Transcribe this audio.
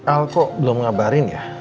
alko belum ngabarin ya